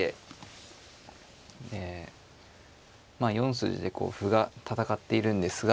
筋でこう歩が戦っているんですが。